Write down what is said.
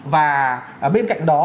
và bên cạnh đó